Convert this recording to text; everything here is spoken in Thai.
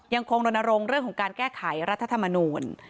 ยังคงลงโดนโรงเรื่องของการแก้ไขรัฐธรรมนูญ